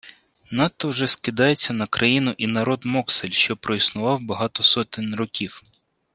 Надто вже скидається на країну і народ Моксель, що проіснував багато сотень років!